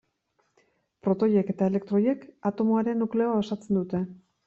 Protoiek eta elektroiek atomoaren nukleoa osatzen dute.